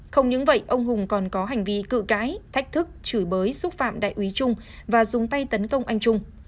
không những vậy ông hùng còn có hành vi cự cãi thách thức chửi bới xúc phạm đại úy trung và dùng tay tấn công anh trung